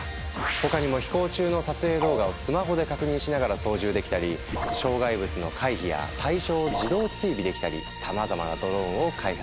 他にも飛行中の撮影動画をスマホで確認しながら操縦できたり障害物の回避や対象を自動追尾できたりさまざまなドローンを開発。